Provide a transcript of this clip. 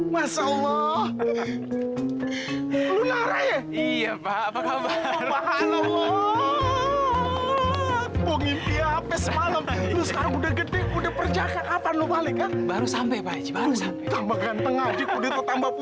masih jualan pak